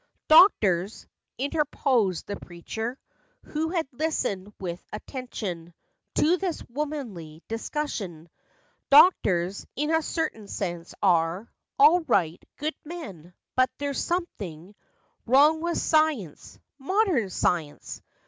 " Doctors," interposed the preacher, Who had listened with attention To this womanly discussion ;" Doctors, in a certain sense, are All right, good men; but there's something FACTS AND FANCIES. Wrong with science, modern science.